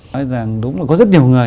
nói rằng đúng là có rất nhiều người